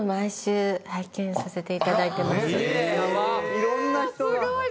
いろんな人が。